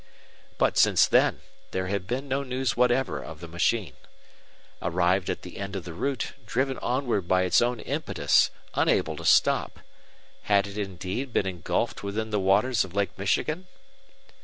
But since then, there had been no news whatever of the machine. Arrived at the end of the route, driven onward by its own impetus, unable to stop, had it indeed been engulfed within the waters of Lake Michigan?